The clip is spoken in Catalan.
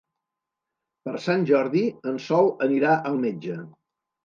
Per Sant Jordi en Sol anirà al metge.